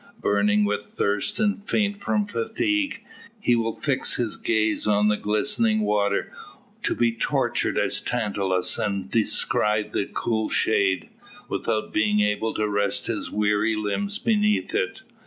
Burning with thirst, and faint from fatigue, he will fix his gaze on the glistening water, to be tortured as Tantalus, and descry the cool shade, without being able to rest his weary limbs beneath it.